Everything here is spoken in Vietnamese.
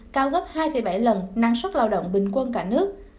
cao gấp hai bảy lần năng suất lao động bình quân cả nước